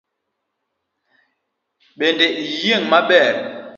Bende iyieng’ maber?